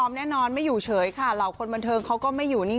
พวกหนุ่มคนบนเทิงเขาก็ไม่อยู่นิ่ง